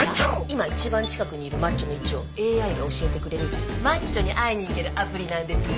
今一番近くにいるマッチョの位置をＡＩが教えてくれるマッチョに会いに行けるアプリなんです。